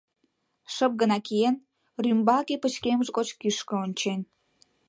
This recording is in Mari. Шып гына киен, рӱмбалге пычкемыш гоч кӱшкӧ ончен.